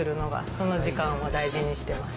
その時間は大事にしてます。